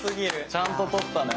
ちゃんと取ったね。